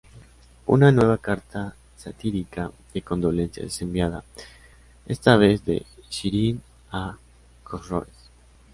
Una nueva carta satírica de condolencias es enviada, esta vez de Shirin a Cosroes.